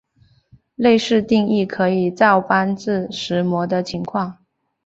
类似定义可以照搬至右模的情况。